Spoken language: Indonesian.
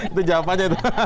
itu jawabannya itu